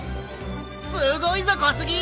すごいぞ小杉！